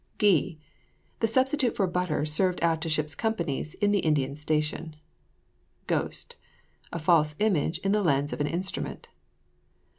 GHEE. The substitute for butter served out to ships' companies on the Indian station. GHOST. A false image in the lens of an instrument.